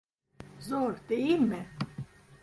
Zor, değil mi?